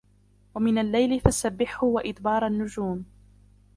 ومن الليل فسبحه وإدبار النجوم